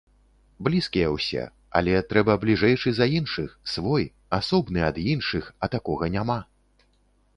Блізкія ўсе, але трэба бліжэйшы за іншых, свой, асобны ад іншых, а такога няма.